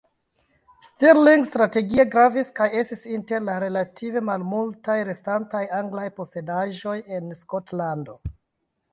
Stirling strategie gravis kaj estis inter la relative malmultaj restantaj anglaj posedaĵoj en Skotlando.